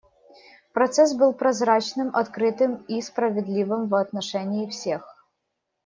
Процесс был прозрачным, открытым и справедливым в отношении всех.